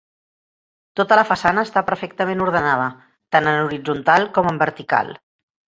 Tota la façana està perfectament ordenada tant en horitzontal com en vertical.